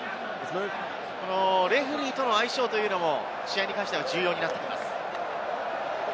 レフェリーとの相性というのも試合に関しては重要になってきます。